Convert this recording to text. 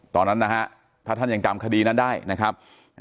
ตอนนั้นนะฮะถ้าท่านยังจำคดีนั้นได้นะครับ